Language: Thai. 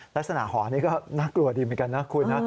ลักษณะหอนี้ก็น่ากลัวดีเหมือนกันนะคุณนะ